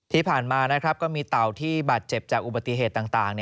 ที่ผ่านมาก็มีเต่าที่บาดเจ็บจากอุบัติเหตุต่าง